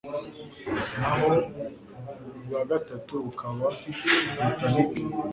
naho ubwa gatatu bukaba Britannic